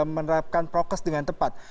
menerapkan prokes dengan tepat